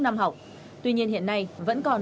năm học tuy nhiên hiện nay vẫn còn